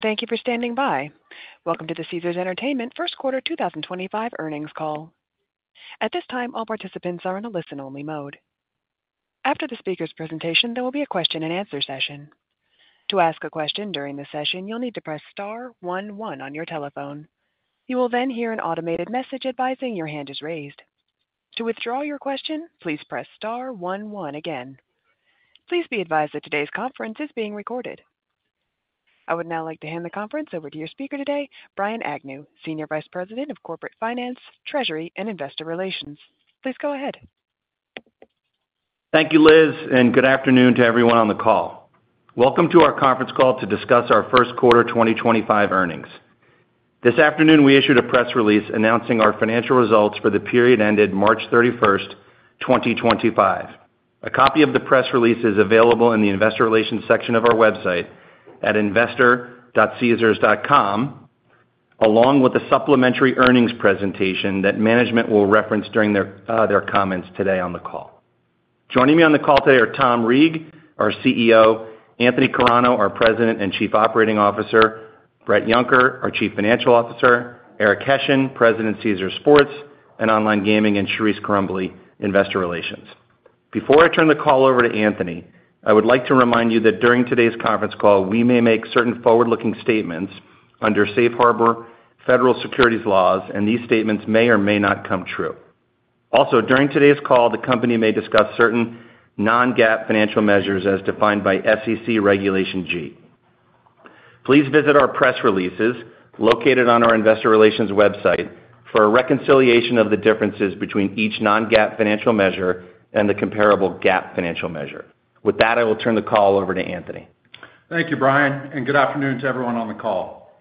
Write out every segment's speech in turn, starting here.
Thank you for standing by. Welcome to the Caesars Entertainment first quarter 2025 earnings call. At this time, all participants are in a listen-only mode. After the speaker's presentation, there will be a question-and-answer session. To ask a question during the session, you'll need to press star one one on your telephone. You will then hear an automated message advising your hand is raised. To withdraw your question, please press star one one again. Please be advised that today's conference is being recorded. I would now like to hand the conference over to your speaker today, Brian Agnew, Senior Vice President of Corporate Finance, Treasury, and Investor Relations. Please go ahead. Thank you, Liz, and good afternoon to everyone on the call. Welcome to our conference call to discuss our first quarter 2025 earnings. This afternoon, we issued a press release announcing our financial results for the period ended March 31st, 2025. A copy of the press release is available in the Investor Relations section of our website at investor.caesars.com, along with a supplementary earnings presentation that management will reference during their comments today on the call. Joining me on the call today are Tom Reeg, our CEO, Anthony Carano, our President and Chief Operating Officer, Bret Yunker, our Chief Financial Officer, Eric Hession, President of Caesars Sports and Online Gaming, and Charise Crumbley, Investor Relations. Before I turn the call over to Anthony, I would like to remind you that during today's conference call, we may make certain forward-looking statements under safe harbor federal securities laws, and these statements may or may not come true. Also, during today's call, the company may discuss certain non-GAAP financial measures as defined by SEC Regulation G. Please visit our press releases located on our Investor Relations website for a reconciliation of the differences between each non-GAAP financial measure and the comparable GAAP financial measure. With that, I will turn the call over to Anthony. Thank you, Brian, and good afternoon to everyone on the call.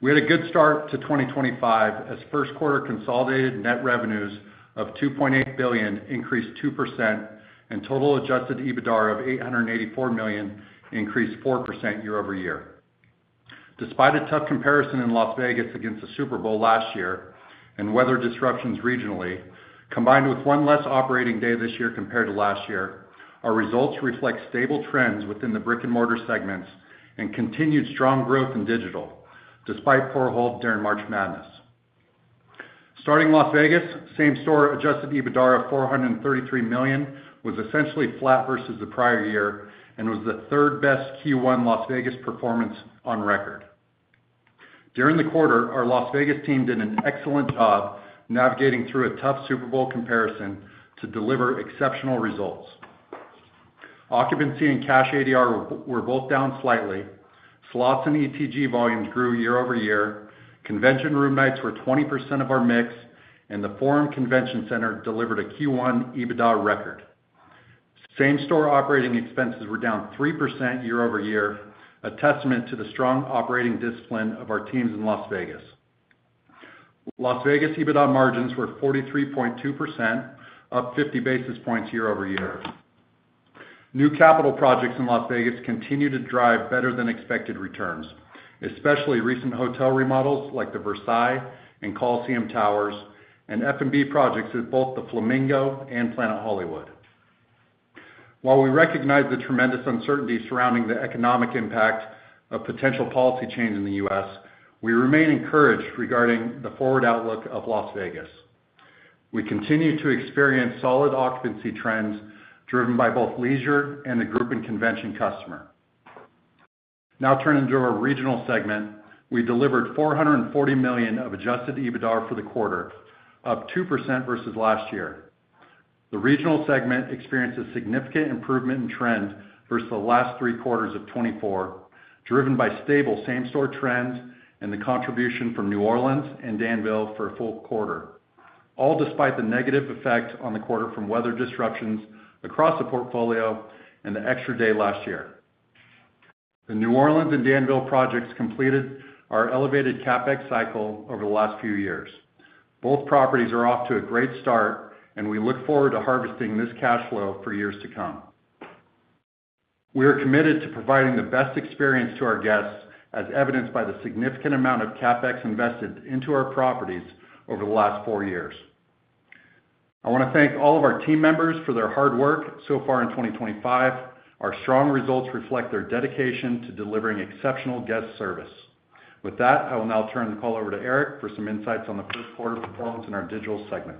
We had a good start to 2025 as first quarter consolidated net revenues of $2.8 billion increased 2% and total adjusted EBITDA of $884 million increased 4% year-over-year. Despite a tough comparison in Las Vegas against the Super Bowl last year and weather disruptions regionally, combined with one less operating day this year compared to last year, our results reflect stable trends within the brick-and-mortar segments and continued strong growth in digital despite poor hold during March Madness. Starting Las Vegas, same store adjusted EBITDA of $433 million was essentially flat versus the prior year and was the third best Q1 Las Vegas performance on record. During the quarter, our Las Vegas team did an excellent job navigating through a tough Super Bowl comparison to deliver exceptional results. Occupancy and cash ADR were both down slightly. Slots and ETG volumes grew year-over-year. Convention room nights were 20% of our mix, and the Forum Convention Center delivered a Q1 EBITDA record. Same store operating expenses were down 3% year-over-year, a testament to the strong operating discipline of our teams in Las Vegas. Las Vegas EBITDA margins were 43.2%, up 50 basis points year-over-year. New capital projects in Las Vegas continue to drive better than expected returns, especially recent hotel remodels like the Versailles and Colosseum Towers and F&B projects at both the Flamingo and Planet Hollywood. While we recognize the tremendous uncertainty surrounding the economic impact of potential policy change in the U.S., we remain encouraged regarding the forward outlook of Las Vegas. We continue to experience solid occupancy trends driven by both leisure and the group and convention customer. Now turning to our regional segment, we delivered $440 million of adjusted EBITDA for the quarter, up 2% versus last year. The regional segment experienced a significant improvement in trend versus the last three quarters of 2024, driven by stable same store trends and the contribution from New Orleans and Danville for a full quarter, all despite the negative effect on the quarter from weather disruptions across the portfolio and the extra day last year. The New Orleans and Danville projects completed our elevated CapEx cycle over the last few years. Both properties are off to a great start, and we look forward to harvesting this cash flow for years to come. We are committed to providing the best experience to our guests, as evidenced by the significant amount of CapEx invested into our properties over the last four years. I want to thank all of our team members for their hard work so far in 2025. Our strong results reflect their dedication to delivering exceptional guest service. With that, I will now turn the call over to Eric for some insights on the first quarter performance in our digital segment.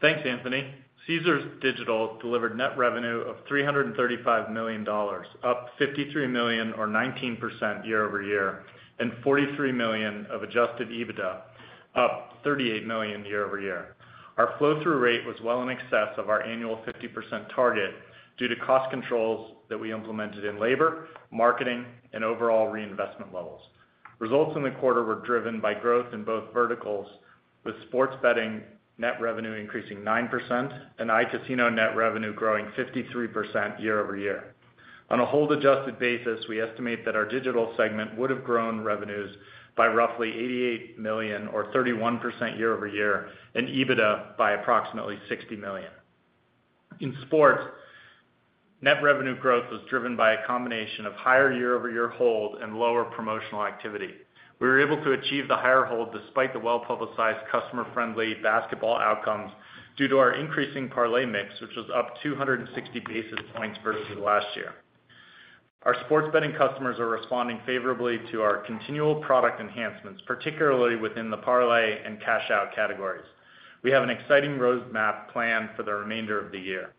Thanks, Anthony. Caesars Digital delivered net revenue of $335 million, up $53 million, or 19% year-over-year, and $43 million of adjusted EBITDA, up $38 million year-over-year. Our flow-through rate was well in excess of our annual 50% target due to cost controls that we implemented in labor, marketing, and overall reinvestment levels. Results in the quarter were driven by growth in both verticals, with sports betting net revenue increasing 9% and iCasino net revenue growing 53% year-over-year. On a hold-adjusted basis, we estimate that our digital segment would have grown revenues by roughly $88 million, or 31% year-over-year, and EBITDA by approximately $60 million. In sports, net revenue growth was driven by a combination of higher year-over-year hold and lower promotional activity. We were able to achieve the higher hold despite the well-publicized customer-friendly basketball outcomes due to our increasing parlay mix, which was up 260 basis points versus last year. Our sports betting customers are responding favorably to our continual product enhancements, particularly within the parlay and cash-out categories. We have an exciting roadmap planned for the remainder of the year.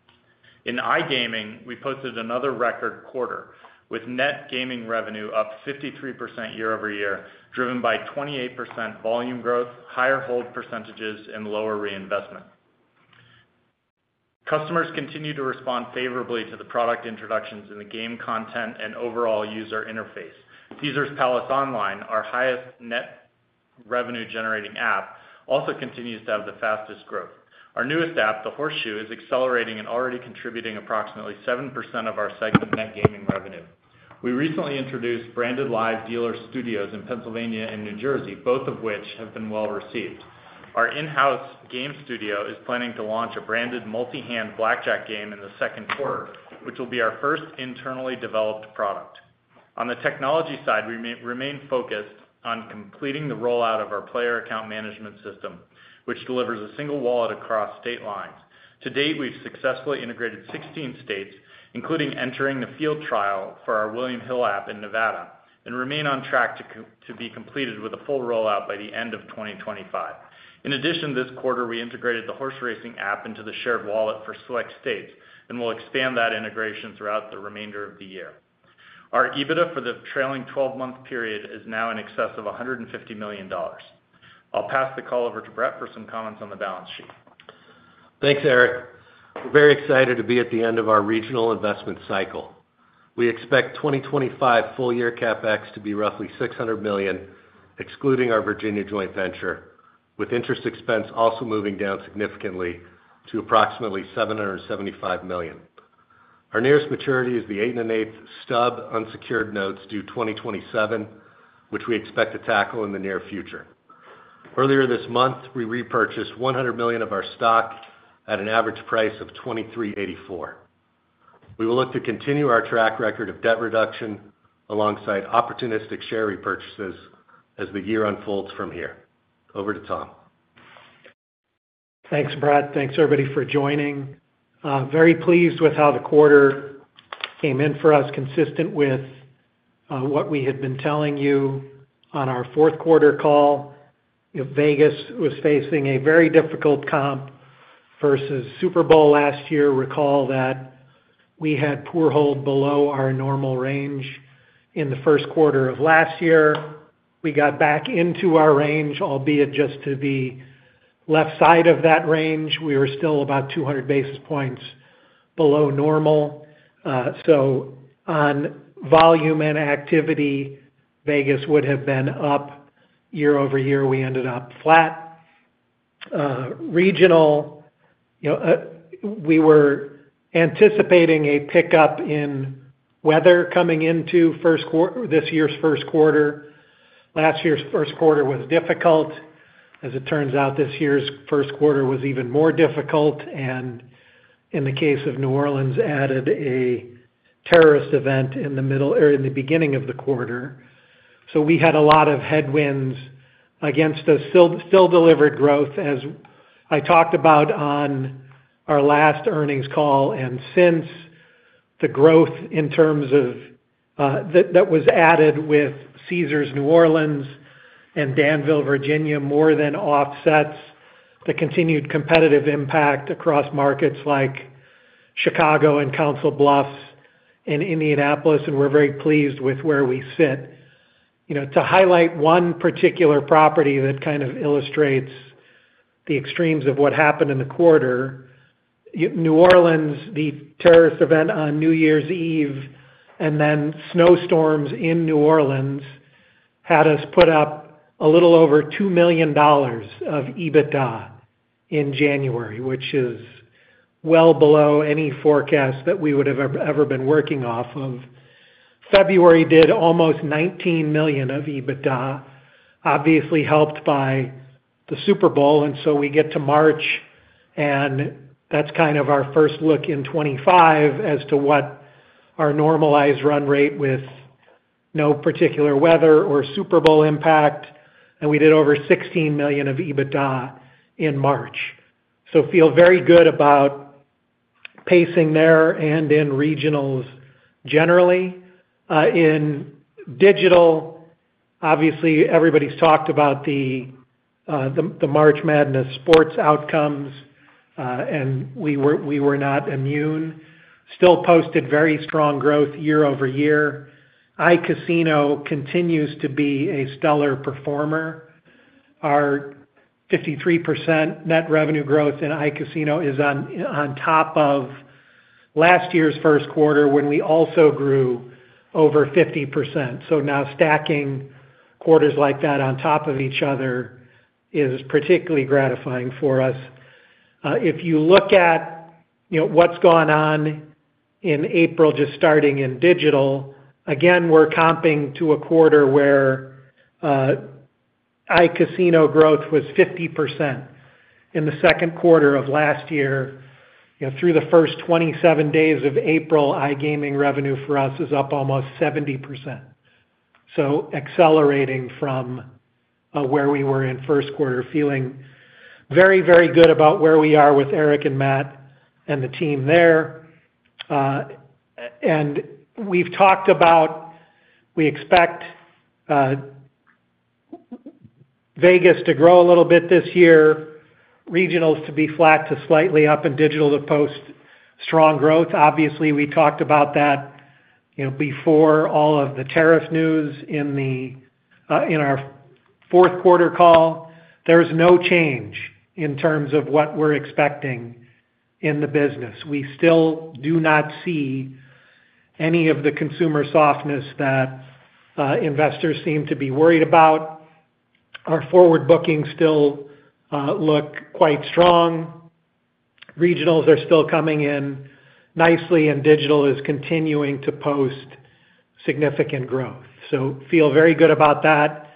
In iGaming, we posted another record quarter, with net gaming revenue up 53% year-over-year, driven by 28% volume growth, higher hold percentages, and lower reinvestment. Customers continue to respond favorably to the product introductions in the game content and overall user interface. Caesars Palace Online, our highest net revenue-generating app, also continues to have the fastest growth. Our newest app, The Horseshoe, is accelerating and already contributing approximately 7% of our segment net gaming revenue. We recently introduced branded live dealer studios in Pennsylvania and New Jersey, both of which have been well received. Our in-house game studio is planning to launch a branded multi-hand blackjack game in the second quarter, which will be our first internally developed product. On the technology side, we remain focused on completing the rollout of our player account management system, which delivers a single wallet across state lines. To date, we've successfully integrated 16 states, including entering the field trial for our William Hill app in Nevada, and remain on track to be completed with a full rollout by the end of 2025. In addition, this quarter, we integrated the horse racing app into the shared wallet for select states and will expand that integration throughout the remainder of the year. Our EBITDA for the trailing 12-month period is now in excess of $150 million. I'll pass the call over to Bret for some comments on the balance sheet. Thanks, Eric. We're very excited to be at the end of our regional investment cycle. We expect 2025 full-year CapEx to be roughly $600 million, excluding our Virginia joint venture, with interest expense also moving down significantly to approximately $775 million. Our nearest maturity is the 8 1/8 stub unsecured notes due 2027, which we expect to tackle in the near future. Earlier this month, we repurchased $100 million of our stock at an average price of $2,384. We will look to continue our track record of debt reduction alongside opportunistic share repurchases as the year unfolds from here. Over to Tom. Thanks, Bret. Thanks, everybody, for joining. Very pleased with how the quarter came in for us, consistent with what we had been telling you on our fourth quarter call. Vegas was facing a very difficult comp versus Super Bowl last year. Recall that we had poor hold below our normal range in the first quarter of last year. We got back into our range, albeit just to the left side of that range. We were still about 200 basis points below normal. On volume and activity, Vegas would have been up year-over-year. We ended up flat. Regional, we were anticipating a pickup in weather coming into this year's first quarter. Last year's first quarter was difficult. As it turns out, this year's first quarter was even more difficult. In the case of New Orleans, added a terrorist event in the beginning of the quarter. We had a lot of headwinds against us. Still delivered growth, as I talked about on our last earnings call. Since the growth in terms of that was added with Caesars New Orleans and Danville, Virginia, more than offsets the continued competitive impact across markets like Chicago and Council Bluffs and Indianapolis, and we're very pleased with where we sit. To highlight one particular property that kind of illustrates the extremes of what happened in the quarter, New Orleans, the terrorist event on New Year's Eve and then snowstorms in New Orleans had us put up a little over $2 million of EBITDA in January, which is well below any forecast that we would have ever been working off of. February did almost $19 million of EBITDA, obviously helped by the Super Bowl. We get to March, and that is kind of our first look in 2025 as to what our normalized run rate with no particular weather or Super Bowl impact. We did over $16 million of EBITDA in March. Feel very good about pacing there and in regionals generally. In digital, obviously, everybody's talked about the March Madness sports outcomes, and we were not immune. Still posted very strong growth year-over-year. iCasino continues to be a stellar performer. Our 53% net revenue growth in iCasino is on top of last year's first quarter when we also grew over 50%. Now stacking quarters like that on top of each other is particularly gratifying for us. If you look at what has gone on in April, just starting in digital, again, we are comping to a quarter where iCasino growth was 50%. In the second quarter of last year, through the first 27 days of April, iGaming revenue for us is up almost 70%. Accelerating from where we were in first quarter, feeling very, very good about where we are with Eric and Matt and the team there. We have talked about we expect Vegas to grow a little bit this year, regionals to be flat to slightly up, and digital to post strong growth. Obviously, we talked about that before all of the tariff news in our fourth quarter call. There is no change in terms of what we are expecting in the business. We still do not see any of the consumer softness that investors seem to be worried about. Our forward bookings still look quite strong. Regionals are still coming in nicely, and digital is continuing to post significant growth. Feel very good about that.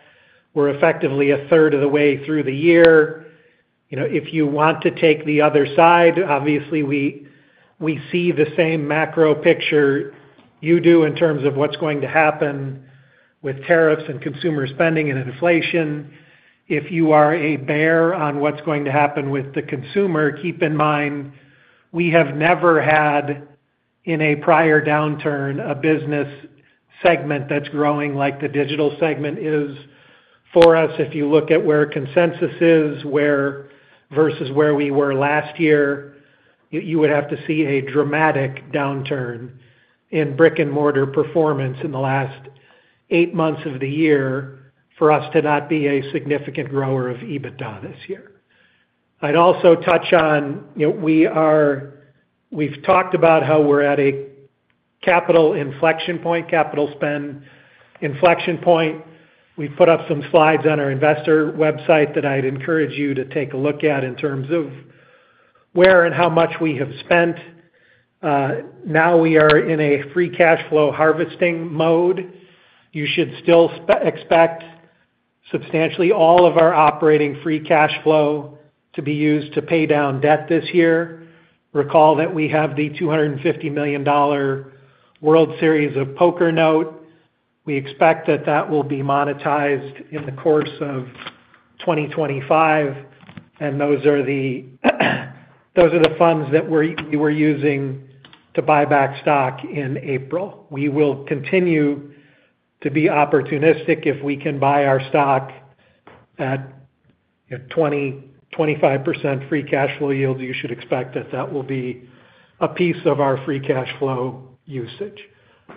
We're effectively 1/3 of the way through the year. If you want to take the other side, obviously, we see the same macro picture you do in terms of what's going to happen with tariffs and consumer spending and inflation. If you are a bear on what's going to happen with the consumer, keep in mind we have never had in a prior downturn a business segment that's growing like the digital segment is for us. If you look at where consensus is versus where we were last year, you would have to see a dramatic downturn in brick-and-mortar performance in the last eight months of the year for us to not be a significant grower of EBITDA this year. I'd also touch on we've talked about how we're at a capital inflection point, capital spend inflection point. We've put up some slides on our investor website that I'd encourage you to take a look at in terms of where and how much we have spent. Now we are in a free cash flow harvesting mode. You should still expect substantially all of our operating free cash flow to be used to pay down debt this year. Recall that we have the $250 million World Series of Poker note. We expect that that will be monetized in the course of 2025. Those are the funds that we were using to buy back stock in April. We will continue to be opportunistic if we can buy our stock at 20%-25% free cash flow yields. You should expect that that will be a piece of our free cash flow usage.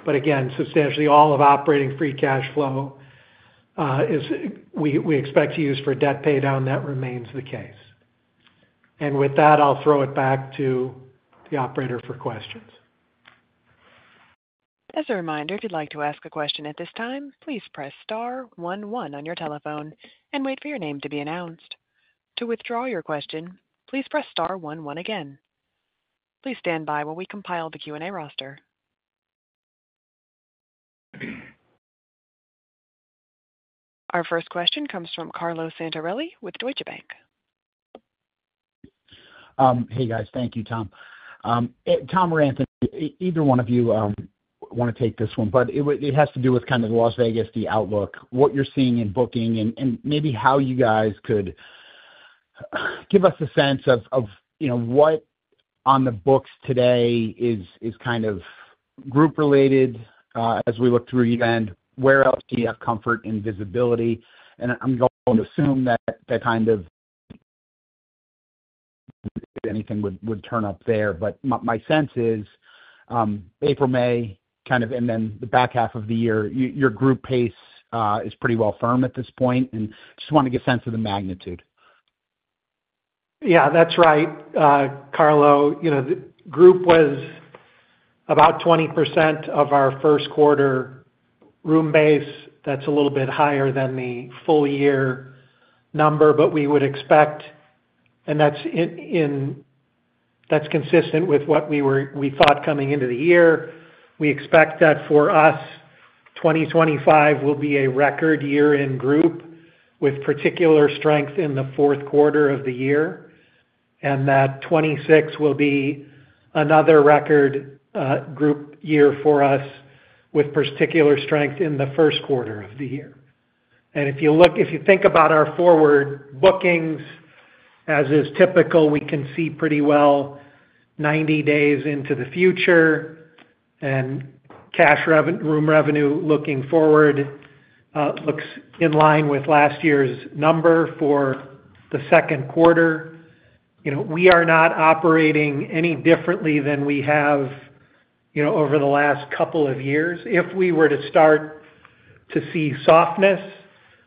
Again, substantially all of operating free cash flow we expect to use for debt pay down, that remains the case. With that, I'll throw it back to the operator for questions. As a reminder, if you'd like to ask a question at this time, please press star one one on your telephone and wait for your name to be announced. To withdraw your question, please press star one one again. Please stand by while we compile the Q&A roster. Our first question comes from Carlo Santarelli with Deutsche Bank. Hey, guys. Thank you, Tom. Tom or Anthony, either one of you want to take this one, but it has to do with kind of Las Vegas, the outlook, what you're seeing in booking, and maybe how you guys could give us a sense of what on the books today is kind of group-related as we look through year-end, where else do you have comfort in visibility? I'm going to assume that kind of anything would turn up there. My sense is April, May, kind of, and then the back half of the year, your group pace is pretty well firm at this point. Just want to get a sense of the magnitude. Yeah, that's right. Carlo, the group was about 20% of our first quarter room base. That's a little bit higher than the full-year number, but we would expect, and that's consistent with what we thought coming into the year. We expect that for us, 2025 will be a record year in group with particular strength in the fourth quarter of the year, and that 2026 will be another record group year for us with particular strength in the first quarter of the year. If you think about our forward bookings, as is typical, we can see pretty well 90 days into the future, and cash room revenue looking forward looks in line with last year's number for the second quarter. We are not operating any differently than we have over the last couple of years. If we were to start to see softness,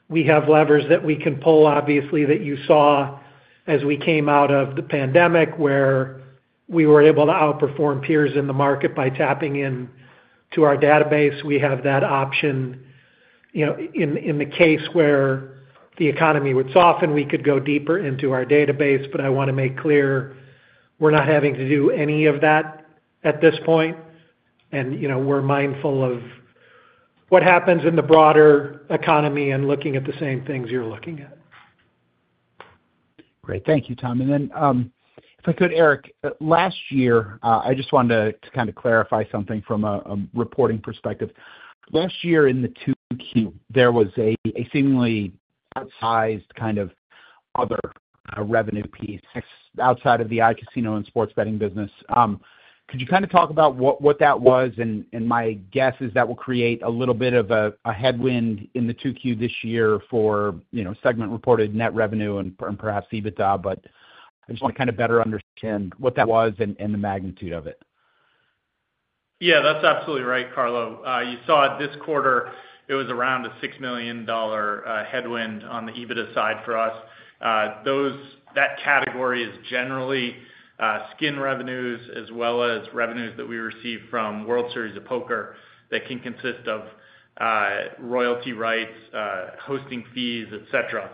we have levers that we can pull, obviously, that you saw as we came out of the pandemic where we were able to outperform peers in the market by tapping into our database. We have that option. In the case where the economy would soften, we could go deeper into our database. I want to make clear we're not having to do any of that at this point. We are mindful of what happens in the broader economy and looking at the same things you're looking at. Great. Thank you, Tom. If I could, Eric, last year, I just wanted to kind of clarify something from a reporting perspective. Last year in the 2Q, there was a seemingly outsized kind of other revenue piece outside of the iCasino and sports betting business. Could you kind of talk about what that was? My guess is that will create a little bit of a headwind in the 2Q this year for segment-reported net revenue and perhaps EBITDA. I just want to kind of better understand what that was and the magnitude of it. Yeah, that's absolutely right, Carlo. You saw this quarter, it was around a $6 million headwind on the EBITDA side for us. That category is generally skin revenues as well as revenues that we receive from World Series of Poker that can consist of royalty rights, hosting fees, etc.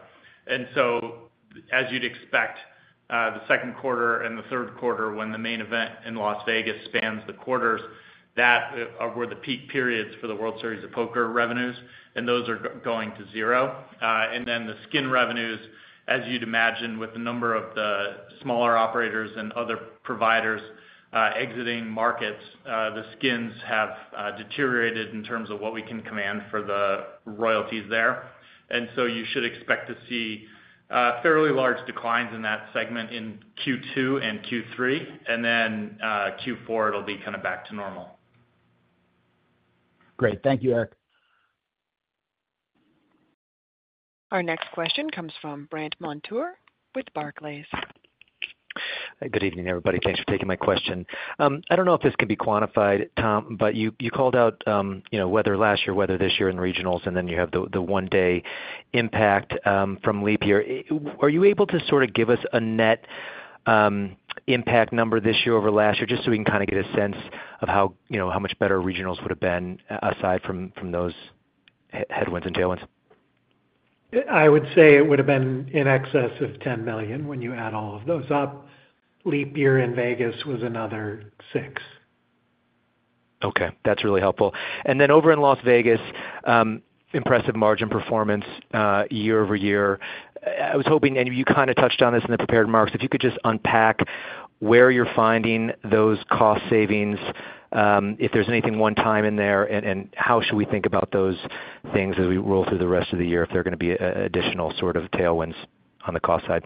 As you'd expect, the second quarter and the third quarter, when the main event in Las Vegas spans the quarters, that were the peak periods for the World Series of Poker revenues, and those are going to zero. The skin revenues, as you'd imagine, with the number of the smaller operators and other providers exiting markets, the skins have deteriorated in terms of what we can command for the royalties there. You should expect to see fairly large declines in that segment in Q2 and Q3. Q4, it'll be kind of back to normal. Great. Thank you, Eric. Our next question comes from Brandt Montour with Barclays. Good evening, everybody. Thanks for taking my question. I do not know if this can be quantified, Tom, but you called out weather last year, weather this year in regionals, and then you have the one-day impact from leap year. Are you able to sort of give us a net impact number this year over last year just so we can kind of get a sense of how much better regionals would have been aside from those headwinds and tailwinds? I would say it would have been in excess of $10 million when you add all of those up. Leap year in Vegas was another $6 million. Okay. That's really helpful. Then over in Las Vegas, impressive margin performance year-over-year. I was hoping, and you kind of touched on this in the prepared marks, if you could just unpack where you're finding those cost savings, if there's anything one-time in there, and how should we think about those things as we roll through the rest of the year if there are going to be additional sort of tailwinds on the cost side?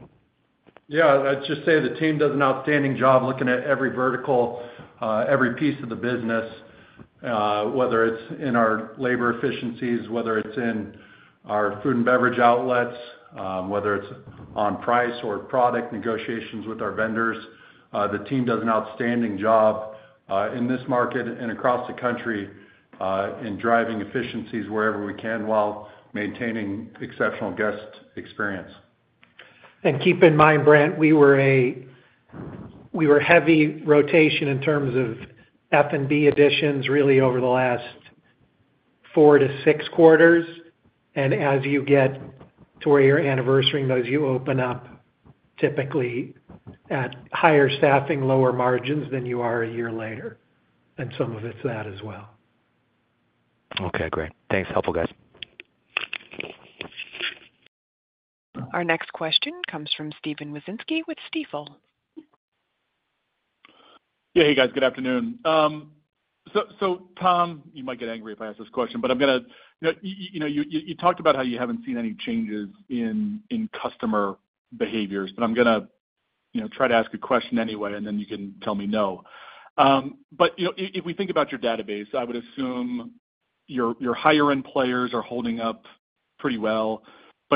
Yeah. I'd just say the team does an outstanding job looking at every vertical, every piece of the business, whether it's in our labor efficiencies, whether it's in our food and beverage outlets, whether it's on price or product negotiations with our vendors. The team does an outstanding job in this market and across the country in driving efficiencies wherever we can while maintaining exceptional guest experience. Keep in mind, Brandt, we were heavy rotation in terms of F&B additions really over the last four to six quarters. As you get to where you anniversary and those you open up, typically at higher staffing, lower margins than you are a year later. Some of it is that as well. Okay. Great. Thanks. Helpful, guys. Our next question comes from Steven Wieczynski with Stifel. Yeah. Hey, guys. Good afternoon. Tom, you might get angry if I ask this question, but I'm going to. You talked about how you haven't seen any changes in customer behaviors, but I'm going to try to ask a question anyway, and then you can tell me no. If we think about your database, I would assume your higher-end players are holding up pretty well.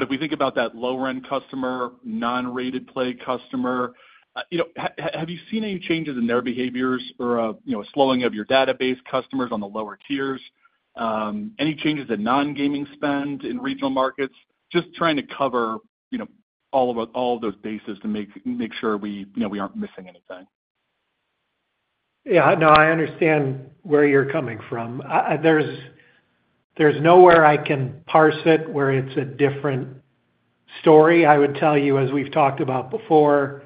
If we think about that lower-end customer, non-rated play customer, have you seen any changes in their behaviors or a slowing of your database customers on the lower tiers? Any changes in non-gaming spend in regional markets? Just trying to cover all of those bases to make sure we aren't missing anything. Yeah. No, I understand where you're coming from. There's nowhere I can parse it where it's a different story. I would tell you, as we've talked about before,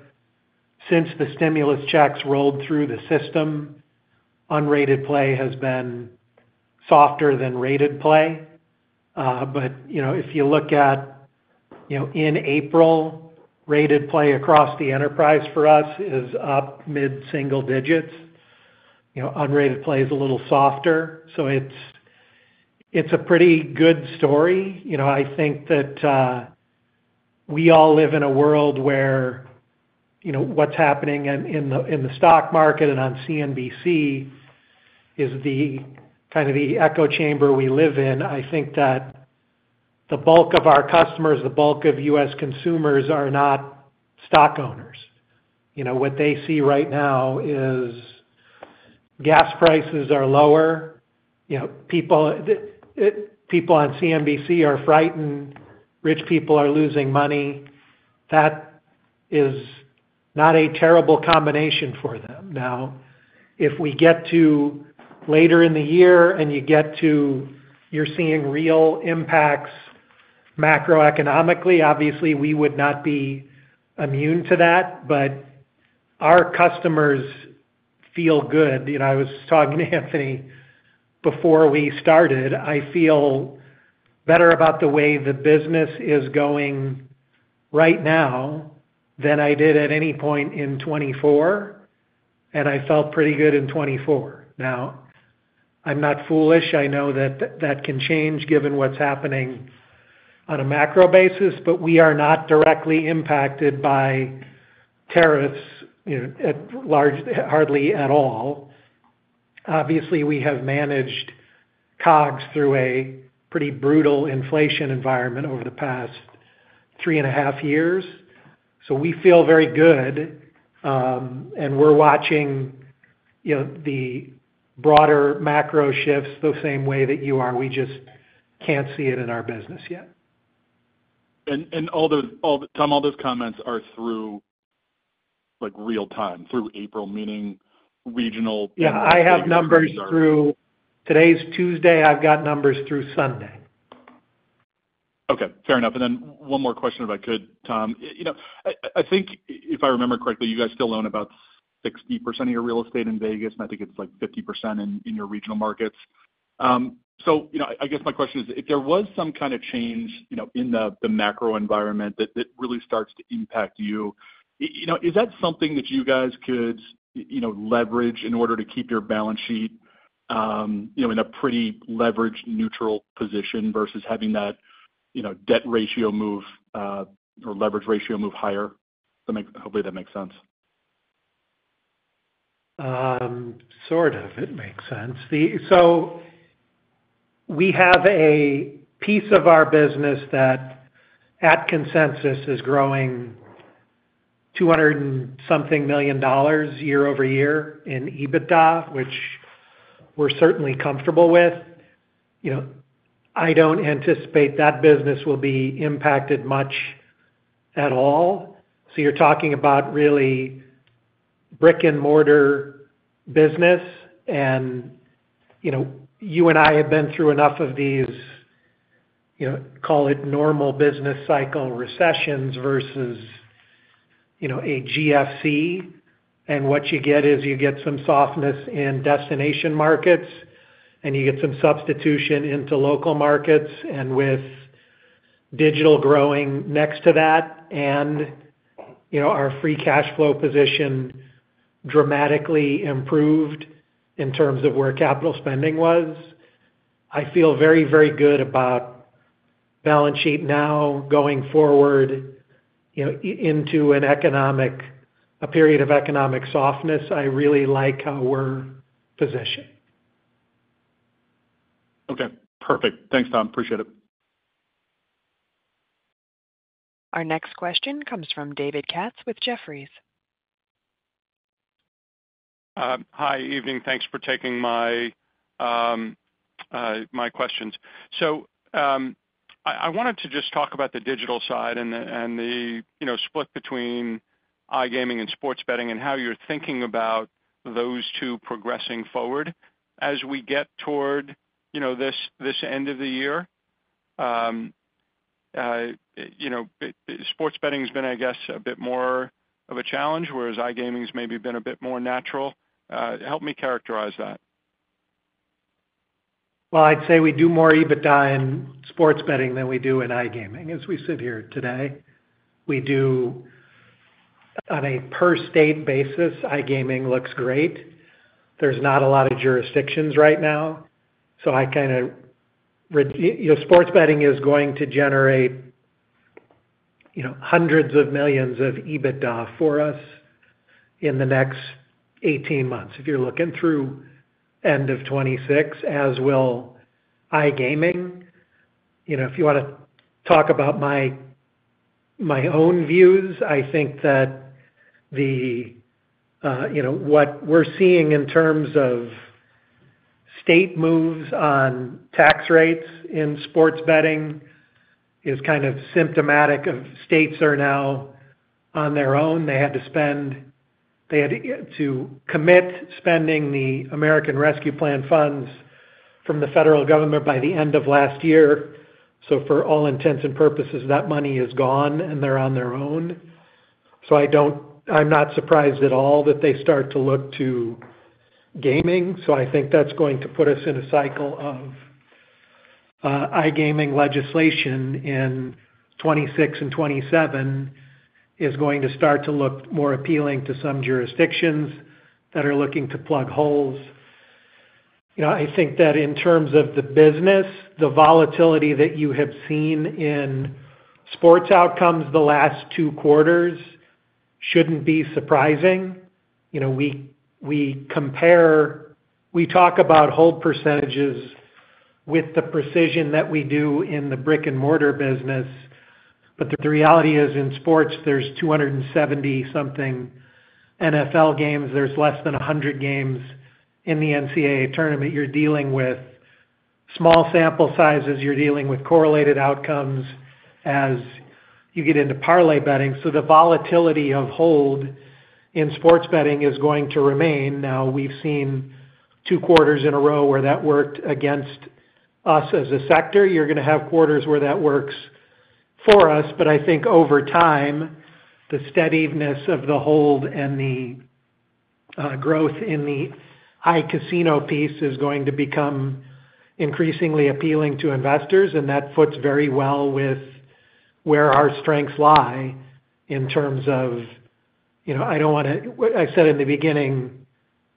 since the stimulus checks rolled through the system, unrated play has been softer than rated play. If you look at in April, rated play across the enterprise for us is up mid-single digits. Unrated play is a little softer. It's a pretty good story. I think that we all live in a world where what's happening in the stock market and on CNBC is kind of the echo chamber we live in. I think that the bulk of our customers, the bulk of U.S. consumers are not stock owners. What they see right now is gas prices are lower. People on CNBC are frightened. Rich people are losing money. That is not a terrible combination for them. Now, if we get to later in the year and you get to you're seeing real impacts macroeconomically, obviously, we would not be immune to that. Our customers feel good. I was talking to Anthony before we started. I feel better about the way the business is going right now than I did at any point in 2024. I felt pretty good in 2024. I am not foolish. I know that that can change given what's happening on a macro basis, but we are not directly impacted by tariffs hardly at all. We have managed COGS through a pretty brutal inflation environment over the past three and a half years. We feel very good. We are watching the broader macro shifts the same way that you are. We just can't see it in our business yet. Tom, all those comments are through real time, through April, meaning regional. Yeah. I have numbers through today is Tuesday. I have numbers through Sunday. Okay. Fair enough. One more question, if I could, Tom. I think, if I remember correctly, you guys still own about 60% of your real estate in Vegas, and I think it's like 50% in your regional markets. I guess my question is, if there was some kind of change in the macro environment that really starts to impact you, is that something that you guys could leverage in order to keep your balance sheet in a pretty leveraged neutral position versus having that debt ratio move or leverage ratio move higher? Hopefully, that makes sense. It makes sense. We have a piece of our business that, at consensus, is growing $200-and-something million year-over-year in EBITDA, which we're certainly comfortable with. I don't anticipate that business will be impacted much at all. You're talking about really brick-and-mortar business. You and I have been through enough of these, call it normal business cycle recessions versus a GFC. What you get is you get some softness in destination markets, and you get some substitution into local markets. With digital growing next to that and our free cash flow position dramatically improved in terms of where capital spending was, I feel very, very good about balance sheet now going forward into a period of economic softness. I really like how we're positioned. Okay. Perfect. Thanks, Tom. Appreciate it. Our next question comes from David Katz with Jefferies. Hi, evening. Thanks for taking my questions. I wanted to just talk about the digital side and the split between iGaming and sports betting and how you're thinking about those two progressing forward as we get toward this end of the year. Sports betting has been, I guess, a bit more of a challenge, whereas iGaming's maybe been a bit more natural. Help me characterize that. I would say we do more EBITDA in sports betting than we do in iGaming as we sit here today. On a per-state basis, iGaming looks great. There are not a lot of jurisdictions right now. I kind of think sports betting is going to generate hundreds of millions of EBITDA for us in the next 18 months, if you are looking through end of 2026, as will iGaming. If you want to talk about my own views, I think that what we are seeing in terms of state moves on tax rates in sports betting is kind of symptomatic of states being on their own. They had to commit spending the American Rescue Plan funds from the federal government by the end of last year. For all intents and purposes, that money is gone, and they are on their own. I'm not surprised at all that they start to look to gaming. I think that's going to put us in a cycle of iGaming legislation in 2026 and 2027 is going to start to look more appealing to some jurisdictions that are looking to plug holes. I think that in terms of the business, the volatility that you have seen in sports outcomes the last two quarters shouldn't be surprising. We talk about hold percentages with the precision that we do in the brick-and-mortar business, but the reality is in sports, there's 270-something NFL games. There's less than 100 games in the NCAA tournament. You're dealing with small sample sizes. You're dealing with correlated outcomes as you get into parlay betting. The volatility of hold in sports betting is going to remain. Now, we've seen two quarters in a row where that worked against us as a sector. You're going to have quarters where that works for us. I think over time, the steadiness of the hold and the growth in the high casino piece is going to become increasingly appealing to investors. That fits very well with where our strengths lie in terms of I don't want to I said in the beginning,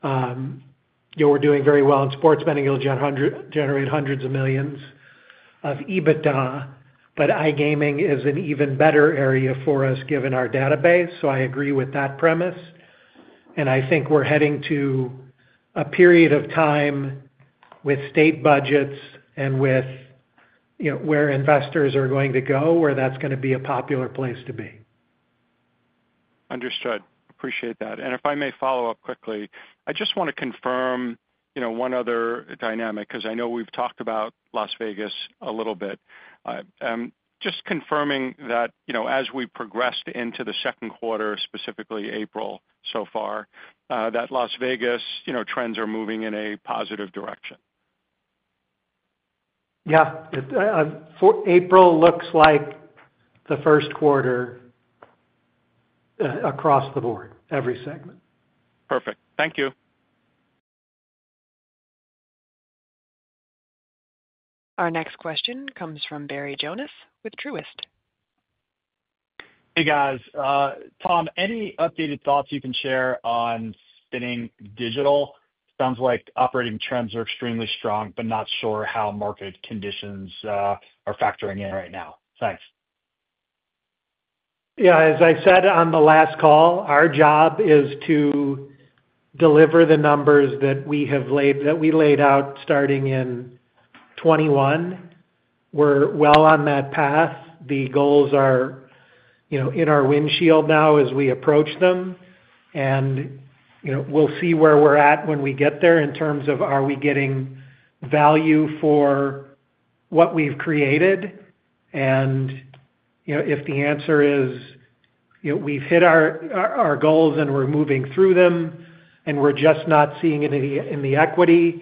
you were doing very well in sports betting. You'll generate hundreds of millions of EBITDA. iGaming is an even better area for us given our database. I agree with that premise. I think we're heading to a period of time with state budgets and with where investors are going to go, where that's going to be a popular place to be. Understood. Appreciate that. If I may follow up quickly, I just want to confirm one other dynamic because I know we've talked about Las Vegas a little bit. Just confirming that as we progressed into the second quarter, specifically April so far, that Las Vegas trends are moving in a positive direction. Yeah. April looks like the first quarter across the board, every segment. Perfect. Thank you. Our next question comes from Barry Jonas with Truist. Hey, guys. Tom, any updated thoughts you can share on spinning digital? Sounds like operating trends are extremely strong, but not sure how market conditions are factoring in right now. Thanks. Yeah. As I said on the last call, our job is to deliver the numbers that we laid out starting in 2021. We're well on that path. The goals are in our windshield now as we approach them. We will see where we're at when we get there in terms of are we getting value for what we've created. If the answer is we've hit our goals and we're moving through them and we're just not seeing it in the equity,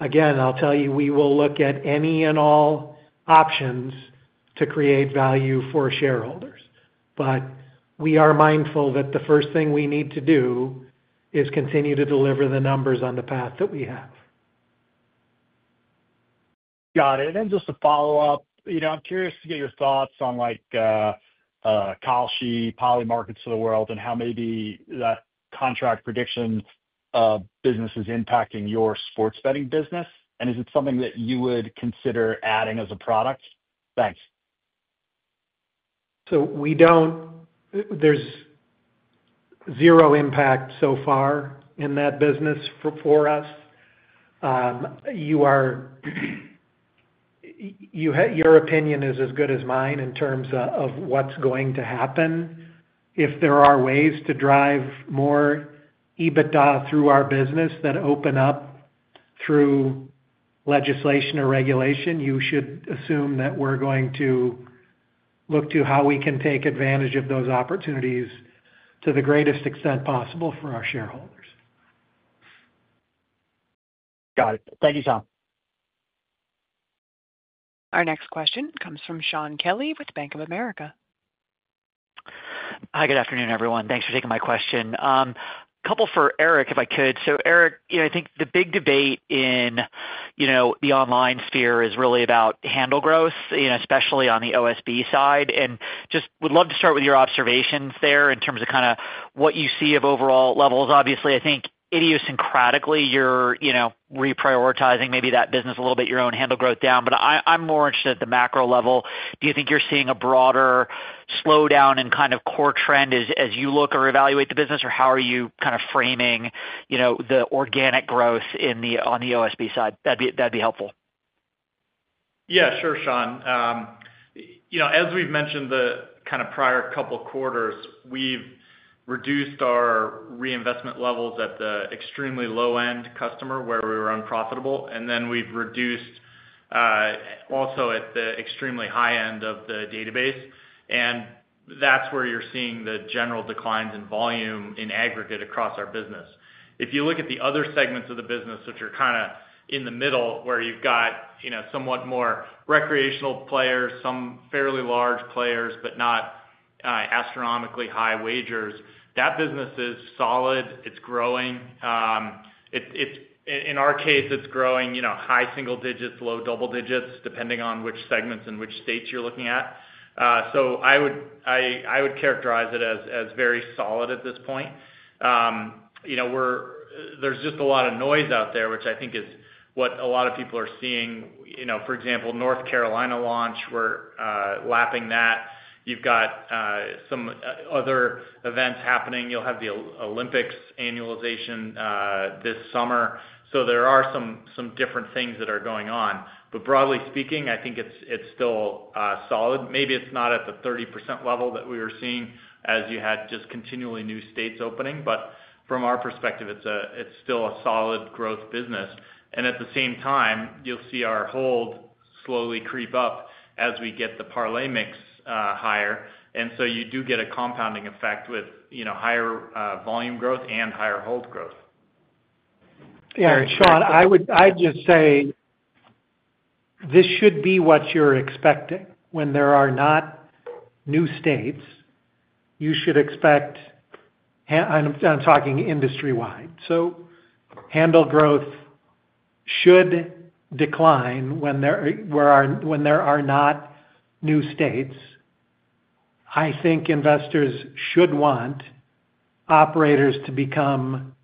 again, I'll tell you, we will look at any and all options to create value for shareholders. We are mindful that the first thing we need to do is continue to deliver the numbers on the path that we have. Got it. Just to follow up, I'm curious to get your thoughts on Kalshi, Polymarket, and how maybe that contract prediction business is impacting your sports betting business. Is it something that you would consider adding as a product? Thanks. There is zero impact so far in that business for us. Your opinion is as good as mine in terms of what's going to happen. If there are ways to drive more EBITDA through our business that open up through legislation or regulation, you should assume that we're going to look to how we can take advantage of those opportunities to the greatest extent possible for our shareholders. Got it. Thank you, Tom. Our next question comes from Shaun Kelley with Bank of America. Hi, good afternoon, everyone. Thanks for taking my question. A couple for Eric, if I could. Eric, I think the big debate in the online sphere is really about handle growth, especially on the OSB side. I would love to start with your observations there in terms of kind of what you see of overall levels. Obviously, I think idiosyncratically, you're reprioritizing maybe that business a little bit, your own handle growth down. I am more interested at the macro level. Do you think you're seeing a broader slowdown in kind of core trend as you look or evaluate the business, or how are you kind of framing the organic growth on the OSB side? That would be helpful. Yeah, sure, Shaun. As we've mentioned the kind of prior couple of quarters, we've reduced our reinvestment levels at the extremely low-end customer where we were unprofitable. And then we've reduced also at the extremely high end of the database. That's where you're seeing the general declines in volume in aggregate across our business. If you look at the other segments of the business, which are kind of in the middle where you've got somewhat more recreational players, some fairly large players, but not astronomically high wagers, that business is solid. It's growing. In our case, it's growing high single digits, low double digits, depending on which segments and which states you're looking at. I would characterize it as very solid at this point. There's just a lot of noise out there, which I think is what a lot of people are seeing. For example, North Carolina launch, we're lapping that. You've got some other events happening. You'll have the Olympics annualization this summer. There are some different things that are going on. Broadly speaking, I think it's still solid. Maybe it's not at the 30% level that we were seeing as you had just continually new states opening. From our perspective, it's still a solid growth business. At the same time, you'll see our hold slowly creep up as we get the parlay mix higher. You do get a compounding effect with higher volume growth and higher hold growth. Yeah. Shaun, I'd just say this should be what you're expecting. When there are not new states, you should expect—I'm talking industry-wide—so handle growth should decline when there are not new states. I think investors should want operators to become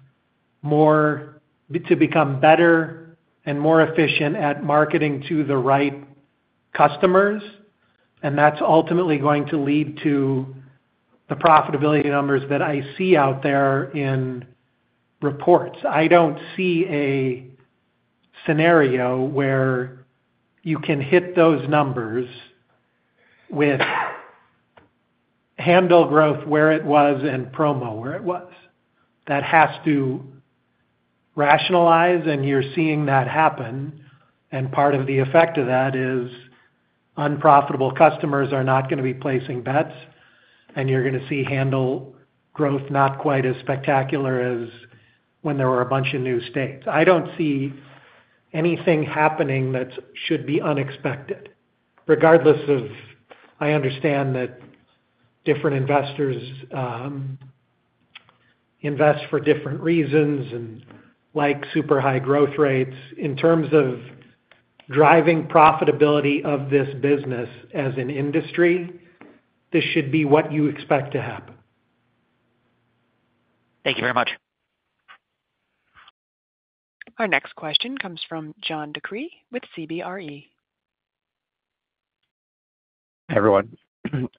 better and more efficient at marketing to the right customers. That's ultimately going to lead to the profitability numbers that I see out there in reports. I don't see a scenario where you can hit those numbers with handle growth where it was and promo where it was. That has to rationalize, and you're seeing that happen. Part of the effect of that is unprofitable customers are not going to be placing bets, and you're going to see handle growth not quite as spectacular as when there were a bunch of new states. I don't see anything happening that should be unexpected, regardless of—I understand that different investors invest for different reasons and like super high growth rates. In terms of driving profitability of this business as an industry, this should be what you expect to happen. Thank you very much. Our next question comes from John DeCree with CBRE. Hey, everyone.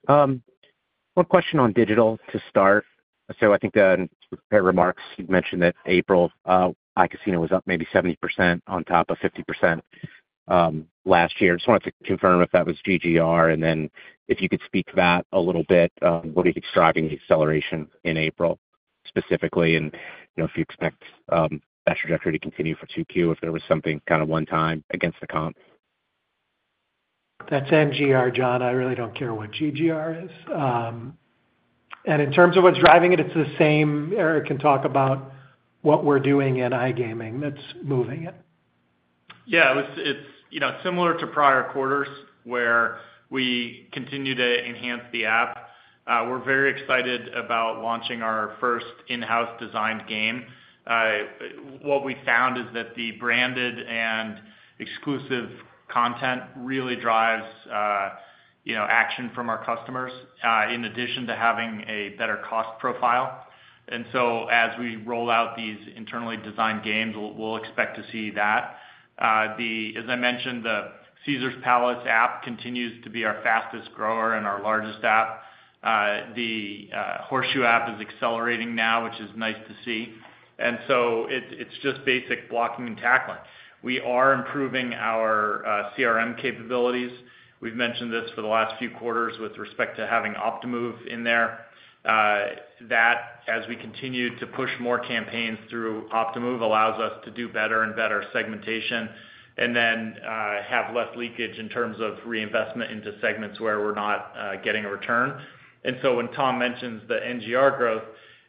One question on digital to start. I think the remarks you mentioned that April iCasino was up maybe 70% on top of 50% last year. Just wanted to confirm if that was GGR. If you could speak to that a little bit, what do you think's driving the acceleration in April specifically? If you expect that trajectory to continue for 2Q, if there was something kind of one time against the comp? That's NGR, John. I really don't care what GGR is. In terms of what's driving it, it's the same. Eric can talk about what we're doing in iGaming that's moving it. Yeah. It's similar to prior quarters where we continue to enhance the app. We're very excited about launching our first in-house designed game. What we found is that the branded and exclusive content really drives action from our customers in addition to having a better cost profile. As we roll out these internally designed games, we'll expect to see that. As I mentioned, the Caesars Palace app continues to be our fastest grower and our largest app. The Horseshoe app is accelerating now, which is nice to see. It's just basic blocking and tackling. We are improving our CRM capabilities. We've mentioned this for the last few quarters with respect to having Optimove in there. That, as we continue to push more campaigns through Optimove, allows us to do better and better segmentation and then have less leakage in terms of reinvestment into segments where we're not getting a return. When Tom mentions the NGR growth,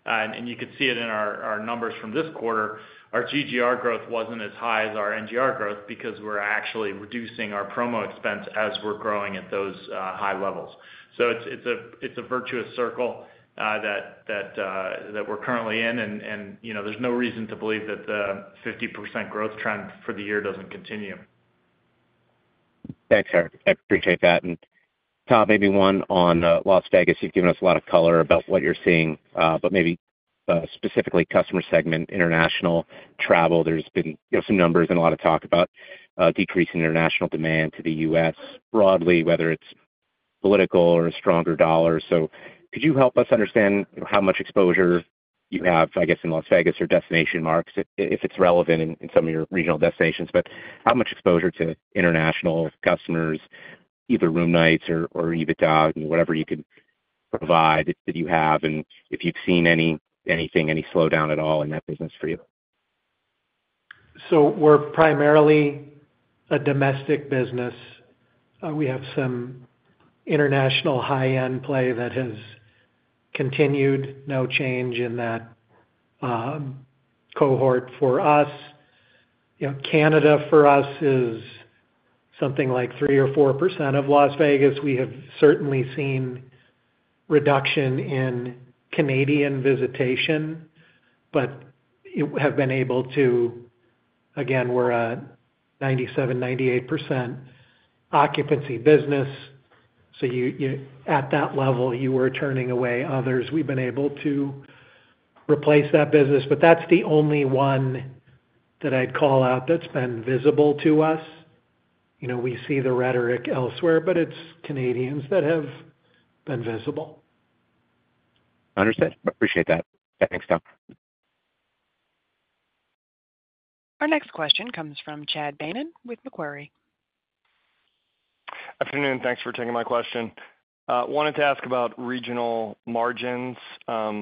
and you could see it in our numbers from this quarter, our GGR growth wasn't as high as our NGR growth because we're actually reducing our promo expense as we're growing at those high levels. It's a virtuous circle that we're currently in. There's no reason to believe that the 50% growth trend for the year doesn't continue. Thanks, Eric. I appreciate that. Tom, maybe one on Las Vegas. You've given us a lot of color about what you're seeing, but maybe specifically customer segment, international travel. There's been some numbers and a lot of talk about decreasing international demand to the U.S. broadly, whether it's political or a stronger dollar. Could you help us understand how much exposure you have, I guess, in Las Vegas or destination markets, if it's relevant in some of your regional destinations? How much exposure to international customers, either room nights or EBITDA or whatever you can provide that you have? If you've seen anything, any slowdown at all in that business for you? We're primarily a domestic business. We have some international high-end play that has continued, no change in that cohort for us. Canada for us is something like 3% or 4% of Las Vegas. We have certainly seen reduction in Canadian visitation, but have been able to—again, we're a 97%-98% occupancy business. At that level, you were turning away others. We've been able to replace that business. That's the only one that I'd call out that's been visible to us. We see the rhetoric elsewhere, but it's Canadians that have been visible. Understood. Appreciate that. Thanks, Tom. Our next question comes from Chad Beynon with Macquarie. Afternoon. Thanks for taking my question. Wanted to ask about regional margins. A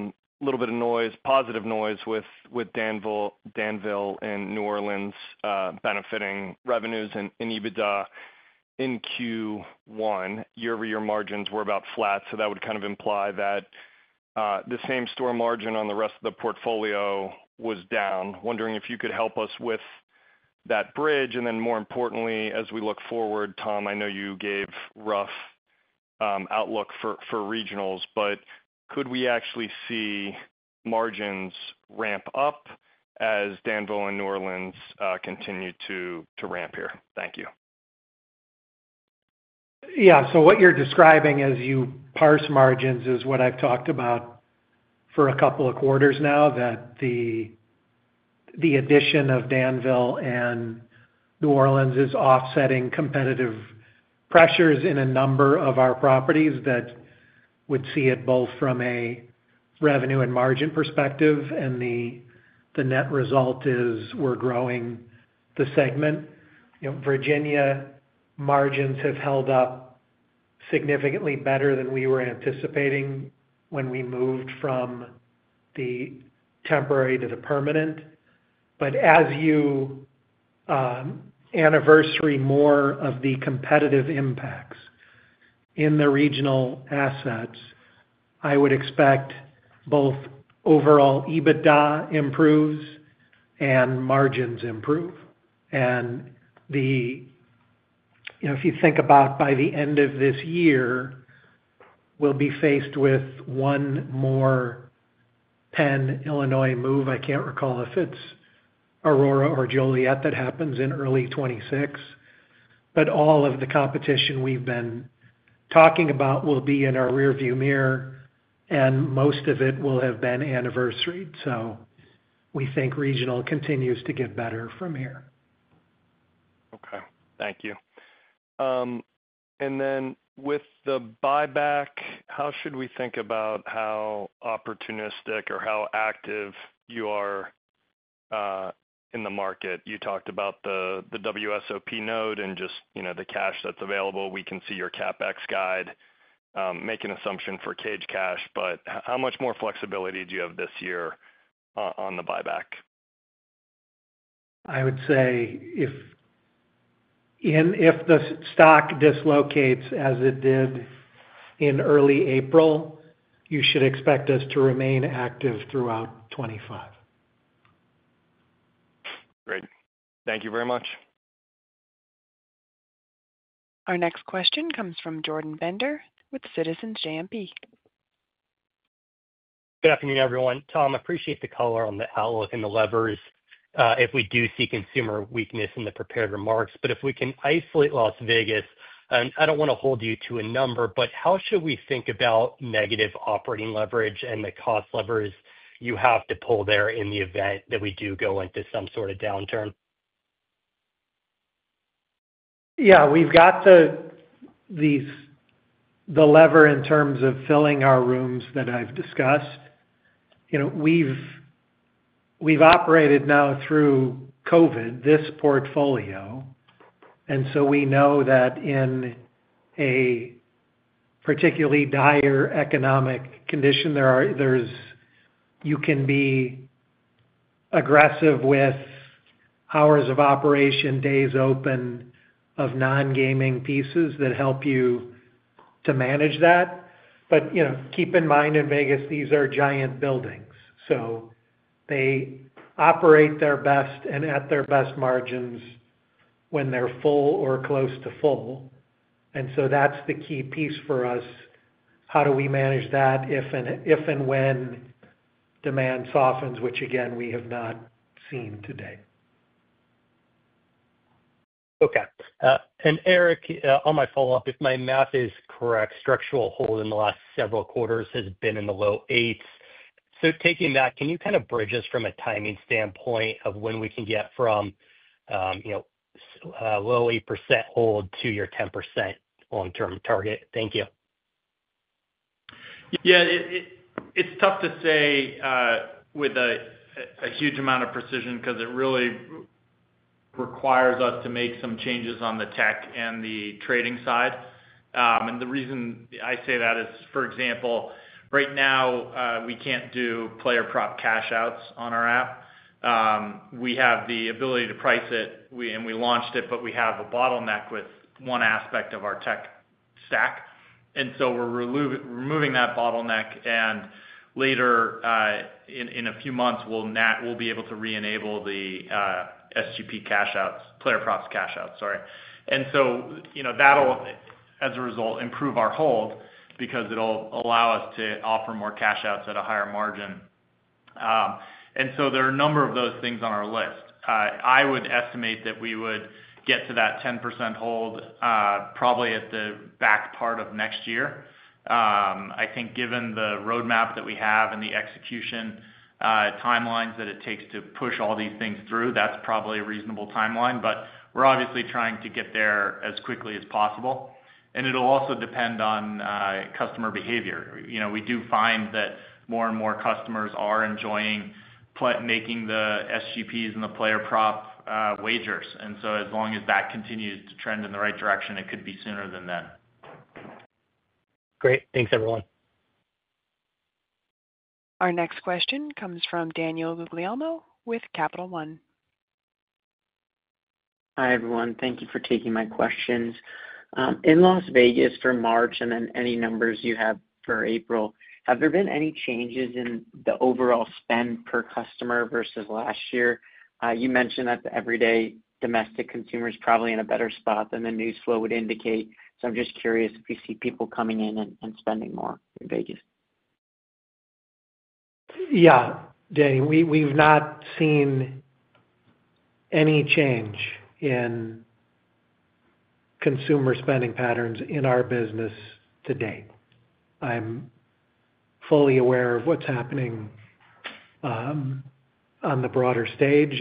little bit of noise, positive noise with Danville and New Orleans benefiting revenues and EBITDA in Q1. Year-over-year margins were about flat. That would kind of imply that the same store margin on the rest of the portfolio was down. Wondering if you could help us with that bridge. More importantly, as we look forward, Tom, I know you gave rough outlook for regionals, but could we actually see margins ramp up as Danville and New Orleans continue to ramp here? Thank you. Yeah. What you're describing as you parse margins is what I've talked about for a couple of quarters now, that the addition of Danville and New Orleans is offsetting competitive pressures in a number of our properties that would see it both from a revenue and margin perspective. The net result is we're growing the segment. Virginia margins have held up significantly better than we were anticipating when we moved from the temporary to the permanent. As you anniversary more of the competitive impacts in the regional assets, I would expect both overall EBITDA improves and margins improve. If you think about by the end of this year, we'll be faced with one more Penn, Illinois move. I can't recall if it's Aurora or Joliet that happens in early 2026. All of the competition we've been talking about will be in our rearview mirror, and most of it will have been anniversaried. We think regional continues to get better from here. Okay. Thank you. With the buyback, how should we think about how opportunistic or how active you are in the market? You talked about the WSOP note and just the cash that's available. We can see your CapEx guide, make an assumption for cage cash. How much more flexibility do you have this year on the buyback? I would say if the stock dislocates as it did in early April, you should expect us to remain active throughout 2025. Great. Thank you very much. Our next question comes from Jordan Bender with Citizens JMP. Good afternoon, everyone. Tom, I appreciate the color on the outlook and the levers if we do see consumer weakness in the prepared remarks. If we can isolate Las Vegas, and I do not want to hold you to a number, how should we think about negative operating leverage and the cost levers you have to pull there in the event that we do go into some sort of downturn? Yeah. We've got the lever in terms of filling our rooms that I've discussed. We've operated now through COVID, this portfolio. And so we know that in a particularly dire economic condition, you can be aggressive with hours of operation, days open of non-gaming pieces that help you to manage that. Keep in mind, in Vegas, these are giant buildings. They operate their best and at their best margins when they're full or close to full. That is the key piece for us. How do we manage that if and when demand softens, which again, we have not seen today? Okay. Eric, on my follow-up, if my math is correct, structural hold in the last several quarters has been in the low 8s. Taking that, can you kind of bridge us from a timing standpoint of when we can get from low 8% hold to your 10% long-term target? Thank you. Yeah. It's tough to say with a huge amount of precision because it really requires us to make some changes on the tech and the trading side. The reason I say that is, for example, right now, we can't do player prop cash-outs on our app. We have the ability to price it, and we launched it, but we have a bottleneck with one aspect of our tech stack. We are removing that bottleneck. Later, in a few months, we'll be able to re-enable the SGP cash-outs, player prop cash-outs, sorry. That'll, as a result, improve our hold because it'll allow us to offer more cash-outs at a higher margin. There are a number of those things on our list. I would estimate that we would get to that 10% hold probably at the back part of next year. I think given the roadmap that we have and the execution timelines that it takes to push all these things through, that's probably a reasonable timeline. We're obviously trying to get there as quickly as possible. It'll also depend on customer behavior. We do find that more and more customers are enjoying making the SGPs and the player prop wagers. As long as that continues to trend in the right direction, it could be sooner than then. Great. Thanks, everyone. Our next question comes from Daniel Guglielmo with Capital One. Hi, everyone. Thank you for taking my questions. In Las Vegas for March and then any numbers you have for April, have there been any changes in the overall spend per customer versus last year? You mentioned that the everyday domestic consumer is probably in a better spot than the news flow would indicate. I am just curious if you see people coming in and spending more in Vegas. Yeah. Daniel, we've not seen any change in consumer spending patterns in our business to date. I'm fully aware of what's happening on the broader stage.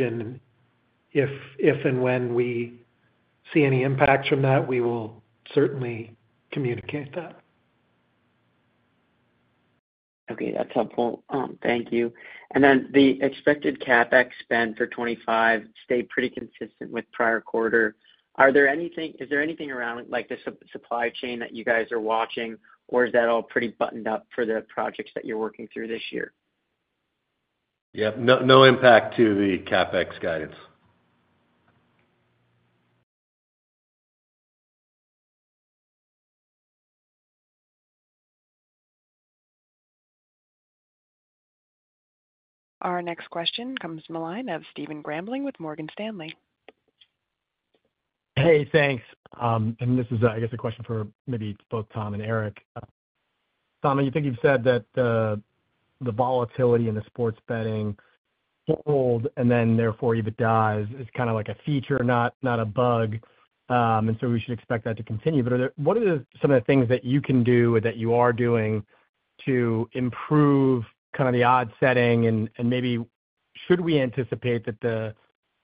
If and when we see any impacts from that, we will certainly communicate that. Okay. That's helpful. Thank you. The expected CapEx spend for 2025 stayed pretty consistent with prior quarter. Is there anything around the supply chain that you guys are watching, or is that all pretty buttoned up for the projects that you're working through this year? Yeah. No impact to the CapEx guidance. Our next question comes from a line of Stephen Grambling with Morgan Stanley. Hey, thanks. This is, I guess, a question for maybe both Tom and Eric. Tom, you think you've said that the volatility in the sports betting hold and then therefore EBITDA is kind of like a feature, not a bug. We should expect that to continue. What are some of the things that you can do or that you are doing to improve kind of the odds setting? Maybe should we anticipate that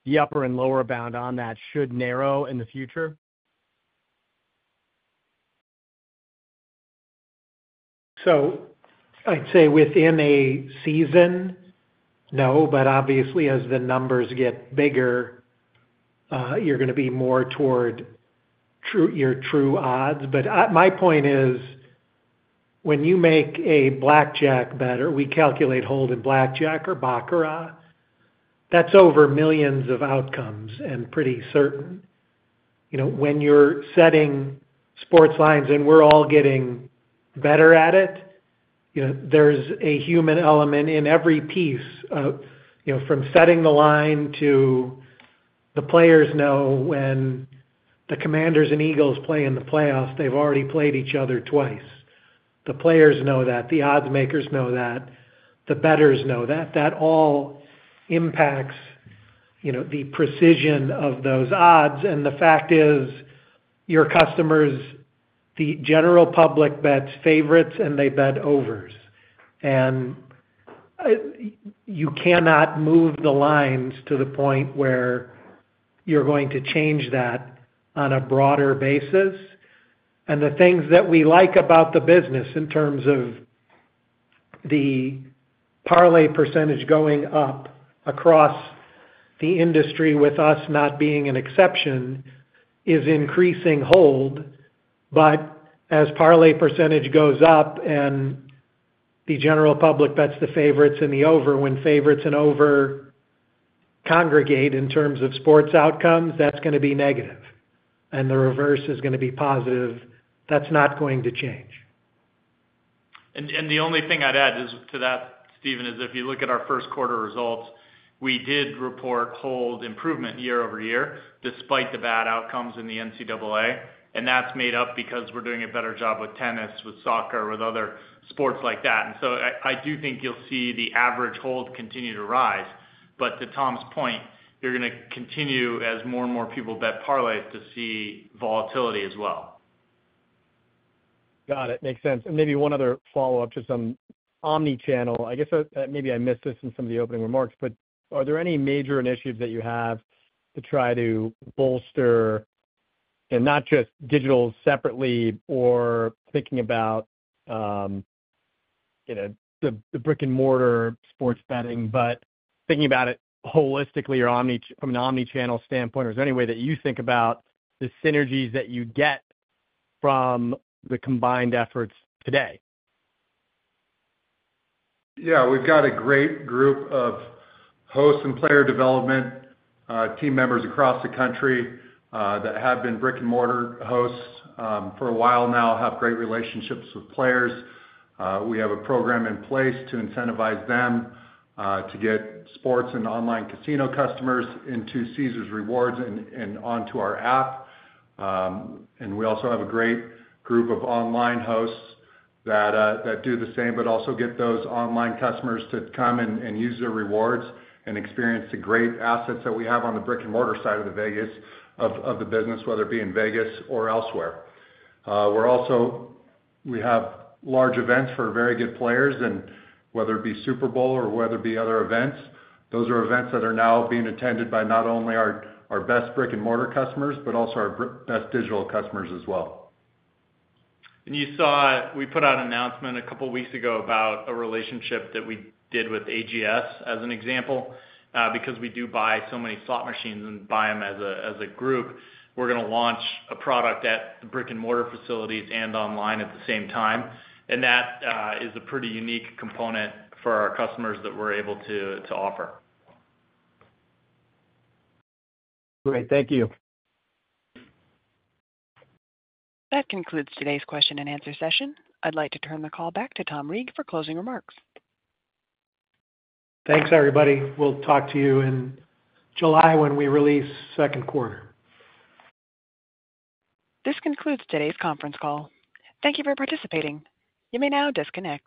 the upper and lower bound on that should narrow in the future? I'd say within a season, no. Obviously, as the numbers get bigger, you're going to be more toward your true odds. My point is, when you make a blackjack bet, we calculate hold in blackjack or baccarat. That's over millions of outcomes and pretty certain. When you're setting sports lines and we're all getting better at it, there's a human element in every piece. From setting the line to the players know when the Commanders and Eagles play in the playoffs, they've already played each other twice. The players know that. The odds makers know that. The bettors know that. That all impacts the precision of those odds. The fact is, your customers, the general public bets favorites, and they bet overs. You cannot move the lines to the point where you're going to change that on a broader basis. The things that we like about the business in terms of the parlay percentage going up across the industry, with us not being an exception, is increasing hold. As parlay percentage goes up and the general public bets the favorites and the over, when favorites and over congregate in terms of sports outcomes, that's going to be negative. The reverse is going to be positive. That's not going to change. The only thing I'd add to that, Stephen, is if you look at our first quarter results, we did report hold improvement year-over-year despite the bad outcomes in the NCAA. That is made up because we're doing a better job with tennis, with soccer, with other sports like that. I do think you'll see the average hold continue to rise. To Tom's point, you're going to continue as more and more people bet parlays to see volatility as well. Got it. Makes sense. Maybe one other follow-up to some omnichannel. I guess maybe I missed this in some of the opening remarks, but are there any major initiatives that you have to try to bolster and not just digital separately or thinking about the brick-and-mortar sports betting, but thinking about it holistically or from an omnichannel standpoint? Is there any way that you think about the synergies that you get from the combined efforts today? Yeah. We've got a great group of hosts and player development team members across the country that have been brick-and-mortar hosts for a while now, have great relationships with players. We have a program in place to incentivize them to get sports and online casino customers into Caesars Rewards and onto our app. We also have a great group of online hosts that do the same, but also get those online customers to come and use their rewards and experience the great assets that we have on the brick-and-mortar side of the business, whether it be in Vegas or elsewhere. We have large events for very good players. Whether it be Super Bowl or whether it be other events, those are events that are now being attended by not only our best brick-and-mortar customers, but also our best digital customers as well. We put out an announcement a couple of weeks ago about a relationship that we did with AGS as an example. Because we do buy so many slot machines and buy them as a group, we're going to launch a product at the brick-and-mortar facilities and online at the same time. That is a pretty unique component for our customers that we're able to offer. Great. Thank you. That concludes today's question and answer session. I'd like to turn the call back to Tom Reeg for closing remarks. Thanks, everybody. We'll talk to you in July when we release second quarter. This concludes today's conference call. Thank you for participating. You may now disconnect.